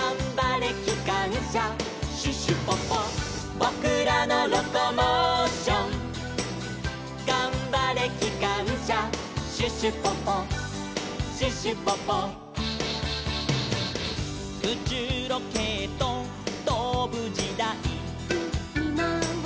「ぼくらのロコモーション」「がんばれきかんしゃ」「シュシュポポシュシュポポ」「うちゅうロケットとぶじだい」